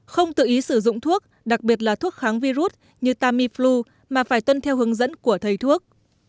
không tự ý sử dụng thuốc đặc biệt là thuốc kháng virus như tamiflu mà phải tuân theo hướng dẫn của thầy thuốc